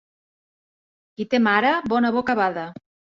Qui té mare, bona boca bada.